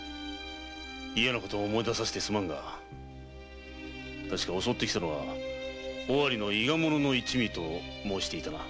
嫌な事を思い出させてすまんが襲って来たのは尾張の伊賀者の一味だと申していたな。